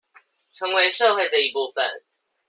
成為社會的一部分